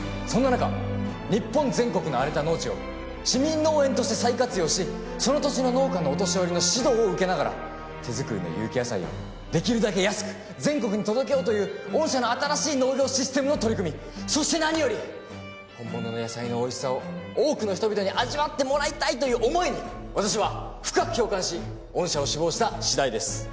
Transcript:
そんな中日本全国の荒れた農地を市民農園として再活用しその土地の農家のお年寄りの指導を受けながら手作りの有機野菜を出来るだけ安く全国に届けようという御社の新しい農業システムの取り組みそして何より本物の野菜のおいしさを多くの人々に味わってもらいたいという思いに私は深く共感し御社を志望した次第です。